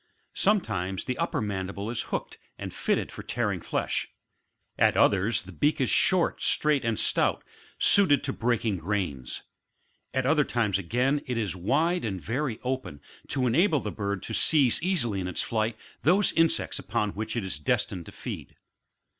Sometimes the upper mandible is hooked and fitted for tearing flesh, at others the beak is short, straight and stout, suited to breaking grains ; at other times again it is wide and very open, to enable the bird to seize easily in its flight, those insects upon which it is destined to feed.